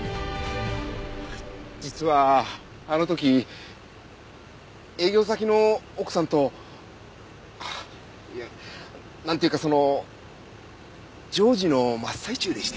実はあの時営業先の奥さんとあいやなんていうかその情事の真っ最中でして。